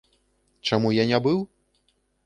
Чаму я не быў?